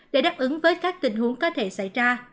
để đáp ứng với các tình huống có thể xảy ra